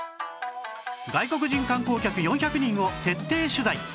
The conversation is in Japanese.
外国人観光客４００人を徹底取材